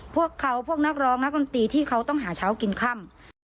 พวกเขาพวกนักร้องนักดนตรีที่เขาต้องหาเช้ากินค่ำ